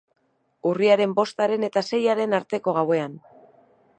Urriaren bostaren eta seiaren arteko gauean.